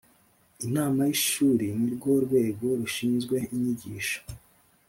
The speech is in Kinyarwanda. Inama y Ishuri ni rwo rwego rushinzwe inyigisho